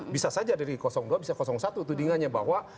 bisa saja dari dua bisa satu tudingannya bahwa